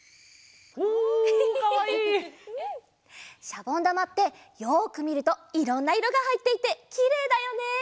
しゃぼんだまってよくみるといろんないろがはいっていてきれいだよね！